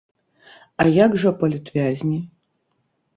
А як жа палітвязні?